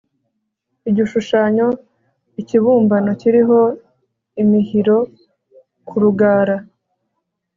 igishushanyo ikibumbano kiriho imihiro ku rugara